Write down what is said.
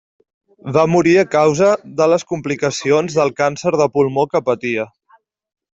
Va morir a causa de les complicacions del càncer de pulmó que patia.